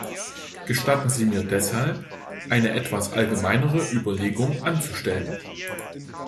Gestatten sie mir deshalb, eine etwas allgemeinere Überlegung anzustellen.